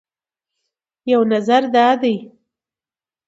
یو نظر دا دی